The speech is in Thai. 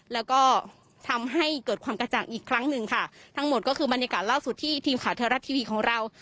แล้วก็ทำให้เกิดความกระจ่างอีกครั้งหนึ่งค่ะทั้งหมดก็คือบรรยากาศล่าสุดที่ทีมข่าวเทวรัฐทีวีของเรา